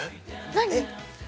何？